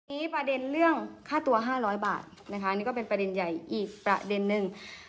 ประเด็นเรื่องค่าตัว๕๐๐บาทนะคะนี่ก็เป็นประเด็นใหญ่อีกประเด็นนึง